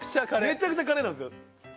めちゃくちゃカレーなんですよ。